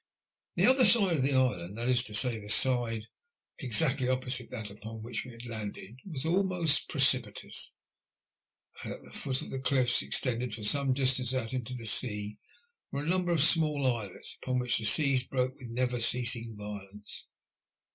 The other side of the island — ^that is to say, the side THE 8ALVA0ES. 171 exactly opposite that upon which we had landed — was almost precipitous, and at the foot of the cliffs, extend ing for some distance out into the sea, were a number of small islets, upon which the seas broke with never ceasing violence.